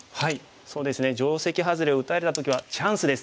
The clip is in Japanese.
そうですね定石ハズレを打たれた時はチャンスです。